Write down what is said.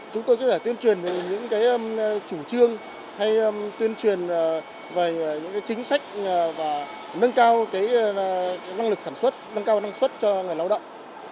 chúng tôi có thể tiêm truyền về những cái chủ trương hay tiêm truyền về những cái chính sách và nâng cao cái năng lực sản xuất nâng cao năng suất cho người lao động